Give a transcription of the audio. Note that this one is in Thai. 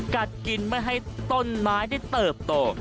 กัดกินไม่ให้ต้นไม้ได้เติบโต